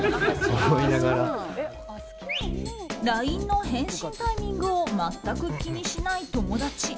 ＬＩＮＥの返信タイミングを全く気にしない友達。